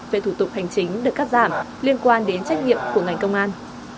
về thủ tục hành chính được cắt giảm liên quan đến trách nhiệm của ngành công an